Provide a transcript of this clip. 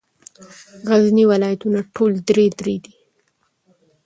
غرني ولایتونه ټول درې درې دي.